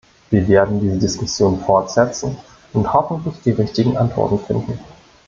Wir werden diese Diskussion fortsetzen und hoffentlich die richtigen Antworten finden.